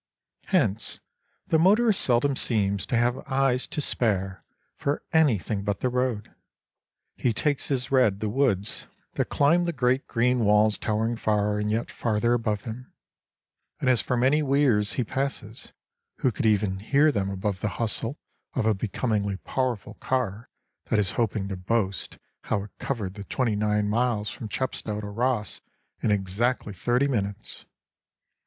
Hence, the motorist seldom seems to have eyes to spare for anything but the road; he takes as read the woods that climb the great green walls towering far and yet farther above him. And as for the many weirs he passes—who could even hear them above the hustle of a becomingly powerful car that is hoping to boast how it covered the twenty nine miles from Chepstow to Ross in exactly thirty minutes!